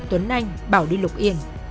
tuấn anh bảo đi lục yên